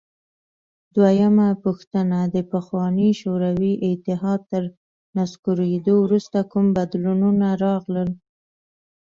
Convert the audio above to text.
دویمه پوښتنه: د پخواني شوروي اتحاد تر نسکورېدو وروسته کوم بدلونونه راغلل؟